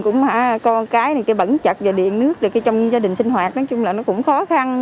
cũng có cái bẩn chật và điện nước trong gia đình sinh hoạt nói chung là nó cũng khó khăn